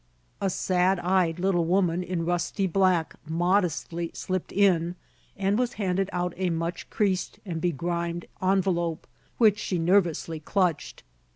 A sad eyed little woman in rusty black modestly slipped in, and was handed out a much creased and begrimed envelope, which she nervously clutched.